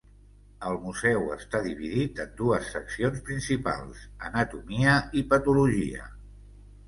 El museu està dividit en dues seccions principals: Anatomia i Patologia.